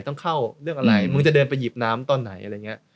ต้องเข้าเรื่องอะไรมึงจะเดินไปหยิบน้ำตอนไหน